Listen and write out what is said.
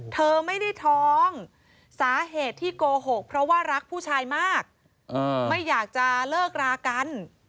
เธอไม่ได้ท้องสาเหตุที่โกหกเพราะว่ารักผู้ชายมากไม่อยากจะเลิกรากัน